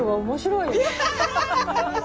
面白い！